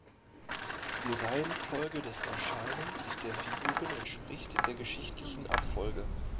Die Reihenfolge des Erscheinens der Figuren entspricht der geschichtlichen Abfolge.